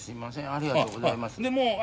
ありがとうございます